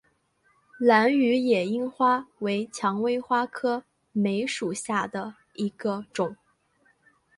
兰屿野樱花为蔷薇科梅属下的一个种。